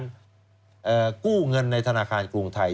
ก็ไม่ว่าจะเรื่องของการกู้เงินในธนาคารกรุงไทย